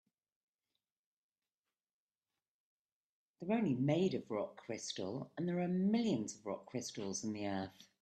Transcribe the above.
They're only made of rock crystal, and there are millions of rock crystals in the earth.